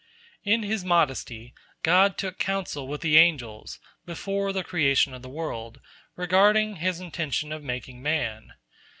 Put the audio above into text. In His modesty, God took counsel with the angels, before the creation of the world, regarding His intention of making man.